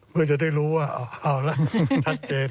เพื่อจะได้รู้ว่าเอาละชัดเจน